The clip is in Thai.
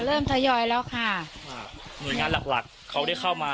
ทยอยแล้วค่ะครับหน่วยงานหลักหลักเขาได้เข้ามา